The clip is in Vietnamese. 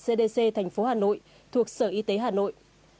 cdc tp hà nội thuộc sở y tế hà nội